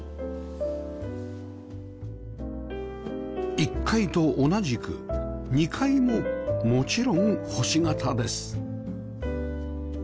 １階と同じく２階ももちろん星形です